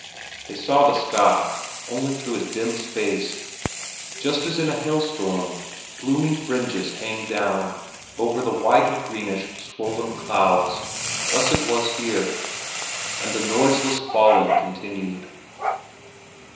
They saw the sky only through a dim space. Just as in a hailstorm gloomy fringes hang down over the white or greenish swollen clouds, thus it was here, and the noiseless falling continued.